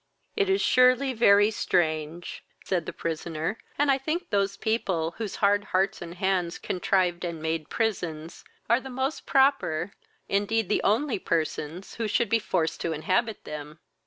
"It is surely very strange, (said the prisoner,) and I think those people, whose hard hearts and hands contrived and made prisons, are the most proper, indeed the only persons who should be forced to inhabit them."